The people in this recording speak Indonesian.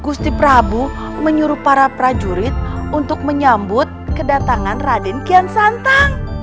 gusti prabu menyuruh para prajurit untuk menyambut kedatangan raden kian santang